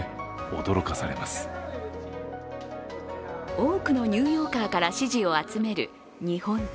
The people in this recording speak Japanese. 多くのニューヨーカーから支持を集める日本茶。